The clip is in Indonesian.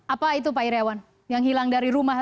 apa itu pak iryawan yang hilang dari rumah